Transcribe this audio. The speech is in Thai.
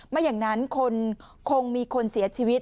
ไม่อย่างนั้นคงมีคนเสียชีวิต